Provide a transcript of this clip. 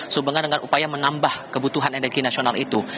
sebengan dengan upaya menambah kebutuhan energi nasional itu